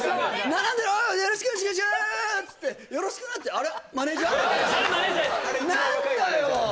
並んでるよろしくよろしくつってよろしくってあれマネージャーです何だよ